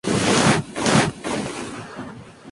El departamento tiene una superficie de km.